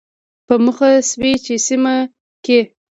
په موخه شوې چې سیمه کې